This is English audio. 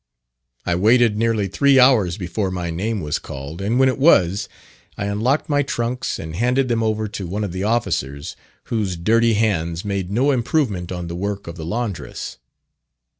I waited nearly three hours before my name was called, and when it was, I unlocked my trunks and handed them over to one of the officers, whose dirty hands made no improvement on the work of the laundress.